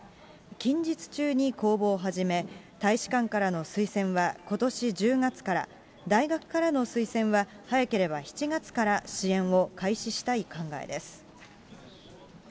近日中に公募を始め、大使館からの推薦は、ことし１０月から、大学からの推薦は、早ければ７月から、支援を開始したい考えです。